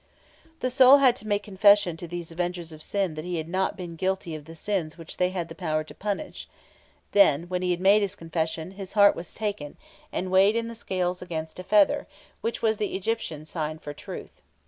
The soul had to make confession to these avengers of sin that he had not been guilty of the sins which they had power to punish; then, when he had made his confession, his heart was taken, and weighed in the scales against a feather, which was the Egyptian sign for truth.